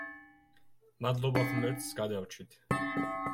მადლობა ღმერთს გადავრჩით!